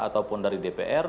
ataupun dari dpr